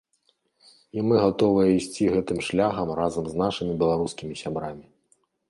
І мы гатовыя ісці гэтым шляхам разам з нашымі беларускімі сябрамі.